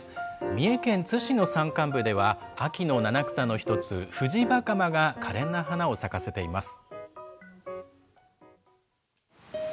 三重県津市の山間部では、秋の七草の一つ、フジバカマがかれんな花を咲かせています。